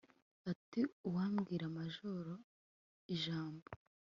Ati Uwabwira Majoro ijambo